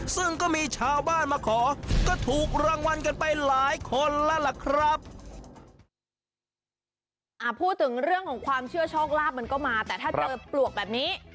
ซึ่งก็มีชาวบ้านมาขอก็ถูกรางวัลกันไปหลายคนแล้วล่ะครับ